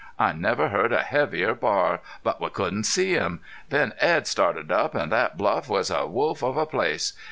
I never heard a heavier bar. But we couldn't see him. Then Edd started up, an' thet bluff was a wolf of a place.